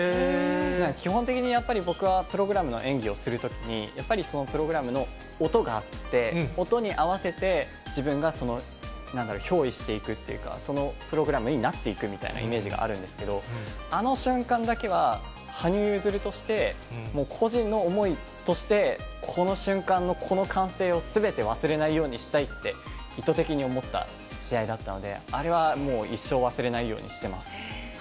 基本的にやっぱり僕はプログラムの演技をするときに、やっぱりそのプログラムの音があって、音に合わせて自分が憑依していくっていうか、そのプログラムになっていくっていうイメージがあるんですけど、あの瞬間だけは、羽生結弦としてもう個人の思いとして、この瞬間のこの歓声をすべて忘れないようにしたいって、意図的に思った試合だったので、あれはもう、一生忘れないようにしてます。